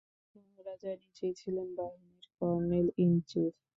মহারাজা নিজেই ছিলেন বাহিনীর কর্নেল-ইন-চিফ।